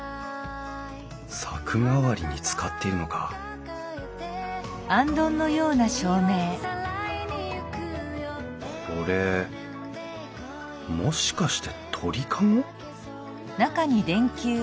柵代わりに使っているのかこれもしかして鳥籠？